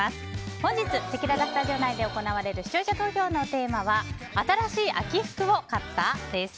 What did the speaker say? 本日せきららスタジオ内で行われる視聴者投票のテーマは新しい秋服を買った？です。